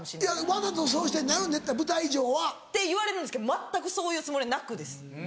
わざとそうしてんのやろ舞台上は。っていわれるんですけど全くそういうつもりはなくです。